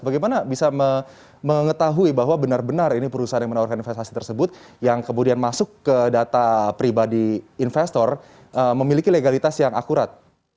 bagaimana bisa mengetahui bahwa benar benar ini perusahaan yang menawarkan investasi tersebut yang kemudian masuk ke data pribadi investor memiliki legalitas yang akurat